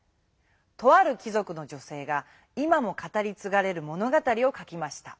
とあるきぞくの女せいが今も語りつがれる物語を書きました。